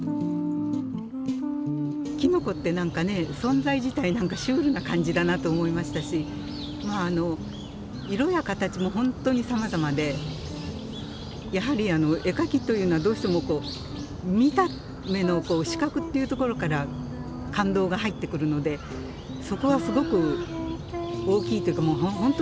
きのこって何かね存在自体何かシュールな感じだなと思いましたし色や形も本当にさまざまでやはり絵描きというのはどうしても見た目の視覚っていうところから感動が入ってくるのでそこはすごく大きいというか本当にはじめはそうですね。